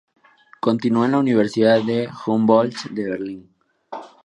Continuó en la Universidad Humboldt de Berlín.